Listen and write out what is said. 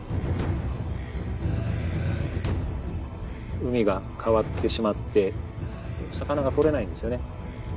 海が変わってしまって魚が取れないんですよね。